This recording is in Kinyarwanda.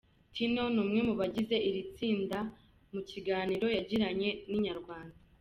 Tino ni umwe mu bagize iri tsinda, mu kiganiro yagiranye na inyarwanda.